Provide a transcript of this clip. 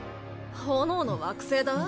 炎の惑星だぁ？